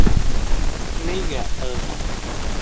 Нигә «ы»?